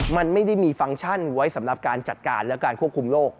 มันไม่ได้มีฟังก์ชั่นไว้สำหรับการจัดการและการควบคุมโรค